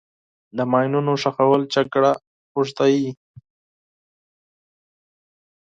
د ماینونو ښخول جګړه اوږدوي.